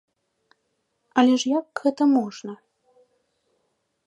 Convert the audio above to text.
Але ж як гэта можна?